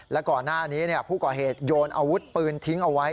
และก่อนหน้านี้ผู้ก่อเหตุโยนอาวุธปืนทิ้งเอาไว้